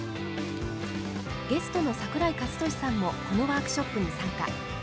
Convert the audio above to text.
ゲストの桜井和寿さんもこのワークショップに参加。